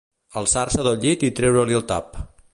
Alçar-se del llit i treure-li el tap.